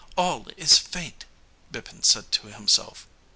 all is Fate!' Bipin said to himself.